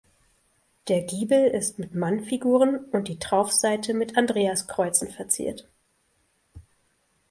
Der Giebel ist mit Mannfiguren und die Traufseite mit Andreaskreuzen verziert.